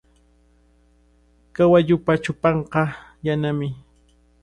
Kawalluupa chupanqa yanami.